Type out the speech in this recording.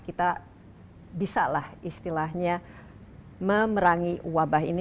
kita bisa lah istilahnya memerangi wabah ini